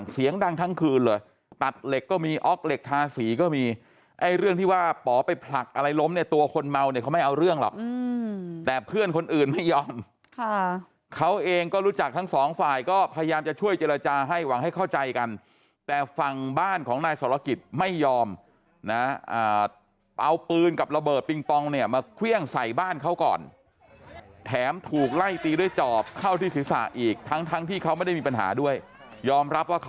เสียงดังทั้งคืนเลยตัดเหล็กก็มีอ๊อกเหล็กทาสีก็มีไอ้เรื่องที่ว่าป๋อไปผลักอะไรล้มเนี้ยตัวคนเมาเนี้ยเขาไม่เอาเรื่องหรอกอืมแต่เพื่อนคนอื่นไม่ยอมค่ะเขาเองก็รู้จักทั้งสองฝ่ายก็พยายามจะช่วยเจรจาให้หวังให้เข้าใจกันแต่ฝั่งบ้านของนายสตรกิจไม่ยอมนะเอาปืนกับระเบิดปิงปองเนี้ยมาเคร